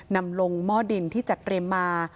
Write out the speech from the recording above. นำลงหม้อดินที่จัดเตรียมมา